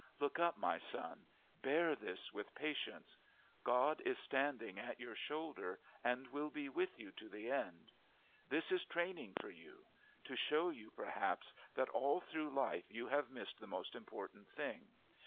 Look up, my son, bear this with patience. God is standing at your shoulder and will be with you to the end. This is training for you. To show you, perhaps, that all through life you have missed the most important thing.